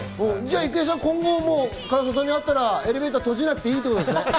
郁恵さんは今後、唐沢さんに会ってもエレベーターを閉じなくていいんですね。